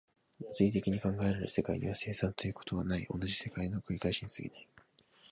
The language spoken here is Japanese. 物理的に考えられる世界には、生産ということはない、同じ世界の繰り返しに過ぎない。